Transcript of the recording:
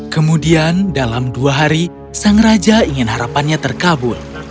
kemudian dalam dua hari sang raja ingin harapannya terkabul